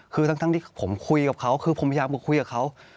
คือทั้งที่ผมคุยกับเขาคือผมพยายามคุยกับเขา